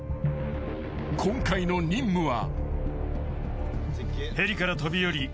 ［今回の任務は］